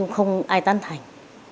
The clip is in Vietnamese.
không ai tán thành